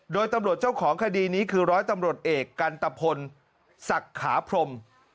โดยตำรวจเจ้าของคดีนี้คือร้อยตำรวจเอกกันตะพลศักดิ์ขาพรม